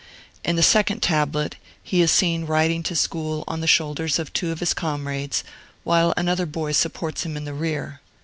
In the second tablet, he is seen riding to school on the shoulders of two of his comrades, while another boy supports him in the rear.